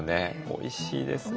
おいしいですね。